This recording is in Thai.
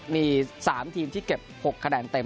มี๓ทีมที่เก็บ๖คะแนนเต็ม